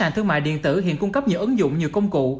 nhiều ứng dụng nhiều công cụ